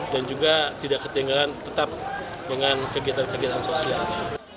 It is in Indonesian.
dan juga tidak ketinggalan tetap dengan kegiatan kegiatan sosial